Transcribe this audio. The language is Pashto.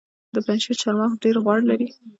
د پنجشیر چهارمغز ډیر غوړ لري.